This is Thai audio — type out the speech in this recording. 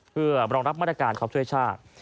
เพื่อรองรับมาตรการเขาช่วยชาติ